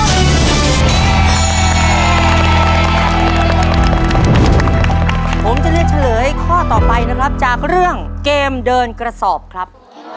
ผมจะเลือกเฉลยข้อต่อไปนะครับจากเรื่องเกมเดินกระสอบครับ